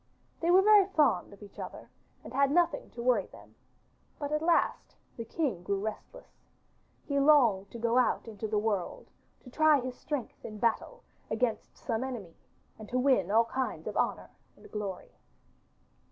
They were very fond of each other and had nothing to worry them, but at last the king grew restless. He longed to go out into the world, to try his strength in battle against some enemy and to win all kinds of honour and glory.